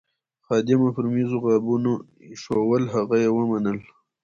خادمه پر میزو غابونه ایښوول، هغه یې ومنل.